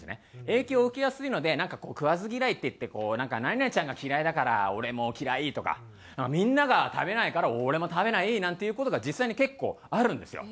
影響を受けやすいのでなんかこう食わず嫌いっていって「何々ちゃんが嫌いだから俺も嫌い」とか「みんなが食べないから俺も食べない」なんていう事が実際に結構あるんですよ。